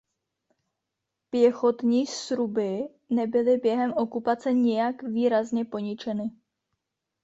Pěchotní sruby nebyly během okupace nijak výrazně poničeny.